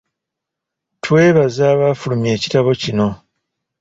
Twebaza abaafulumya ekitabo kino.